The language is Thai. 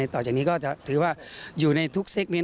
ต่อจากนี้ก็จะถือว่าอยู่ในทุกเซกรมิ้น